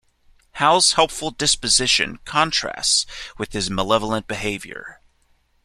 Hal's helpful disposition contrasts with his malevolent behaviour.